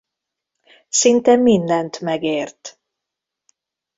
Szinte mindent megért.